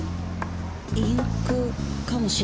インクかもしれません。